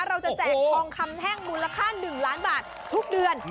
แจกทองคำแห้งมูลค่า๑ล้านบาททุกเดือน